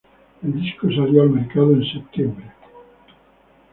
El disco salió al mercado en Septiembre.